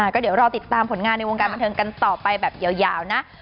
ก็เดี๋ยวรอติดตามผลงานในวงการบันเทิงกันต่อไปแบบยาวนะ